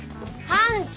班長！